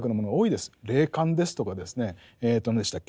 霊感ですとかですね何でしたっけ